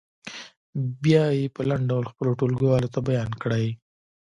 بیا یې په لنډ ډول خپلو ټولګیوالو ته بیان کړئ.